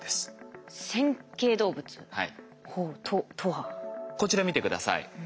こちら見て下さい。